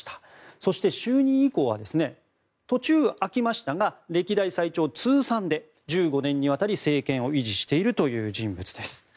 そして就任以降は途中、空きましたが歴代最長通算で１５年にわたり政権を維持している人物です。